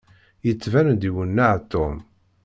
Yettban-d iwenneɛ Tom.